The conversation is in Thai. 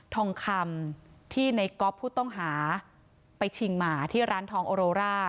ทองคำที่ในก๊อฟผู้ต้องหาไปชิงหมาที่ร้านทองโอโรร่า